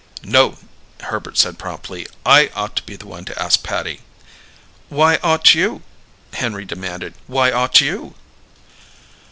"No," Herbert said promptly. "I ought to be the one to ask Patty." "Why ought you?" Henry demanded. "Why ought you?"